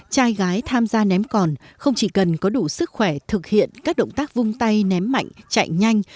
trai gái tham gia ném còn không chỉ cần có đủ sức khỏe thực hiện các động tác vung tay ném mạnh chạy nhanh